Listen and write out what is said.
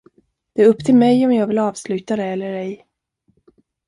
Det är upp till mig om jag vill avsluta det eller ej!